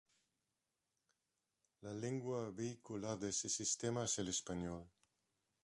La lengua vehicular de este sistema es el español.